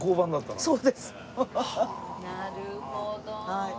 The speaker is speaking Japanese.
はい。